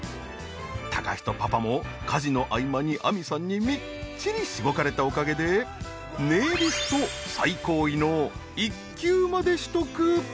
貴仁パパも家事の合間に亜美さんにみっちりしごかれたおかげでネイリスト最高位の１級まで取得。